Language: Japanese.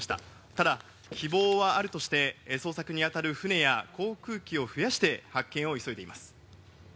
ただ希望はあるとして捜索にあたる船や航空機を増やして発見を急いでいます。